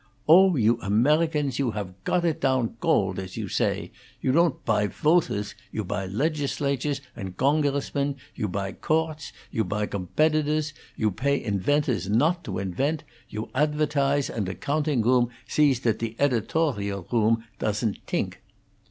Oh, you Amerigans, you haf cot it down goldt, as you say! You ton't puy foters; you puy lechislatures and goncressmen; you puy gourts; you puy gombetitors; you pay infentors not to infent; you atfertise, and the gounting room sees dat de etitorial room toesn't tink."